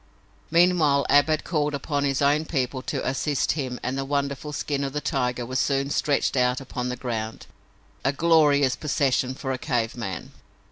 Meanwhile Ab had called upon his own people to assist him and the wonderful skin of the tiger was soon stretched out upon the ground, a glorious possession for a cave man.